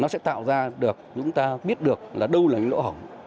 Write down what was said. một điều rất ý nghĩa lớn là nó sẽ tạo ra được chúng ta biết được là đâu là những lỗ hỏng